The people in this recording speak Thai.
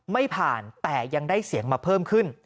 ไม่ผ่านแต่ยังได้เสียงมาเพิ่มขึ้น